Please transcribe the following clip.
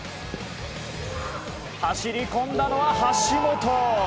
走り込んだのは橋本！